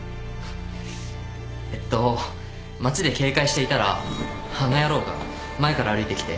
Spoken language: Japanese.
えっと街で警戒していたらあの野郎が前から歩いてきて。